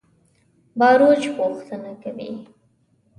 باروچ پوښتنه کوي.